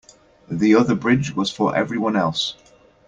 The other bridge was for everyone else.